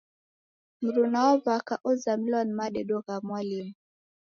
Mruna wa w'aka ozamilwa ni madedo gha mwalimu.